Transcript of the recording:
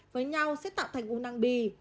với nhau sẽ tạo thành u năng bị